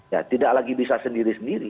ya tidak lagi bisa sendiri sendiri